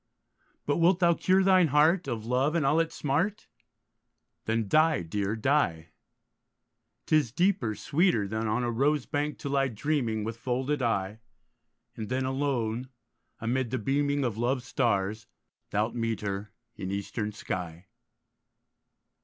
But wilt thou cure thine heart Of love and all its smart, Then die, dear, die; 'Tis deeper, sweeter, Than on a rose bank to lie dreaming With folded eye; And then alone, amid the beaming Of love's stars, thou'lt meet her In eastern sky.